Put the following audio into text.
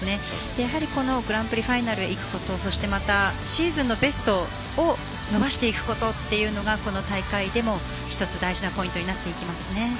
やはりグランプリファイナルへ行くことそして、シーズンのベストを伸ばしていくことというのがこの大会でも１つ大事なポイントになっていきますね。